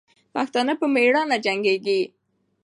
پښتانه په میړانې جنګېږي.